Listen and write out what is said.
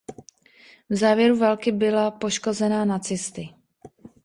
V závěru války byla poškozena nacisty.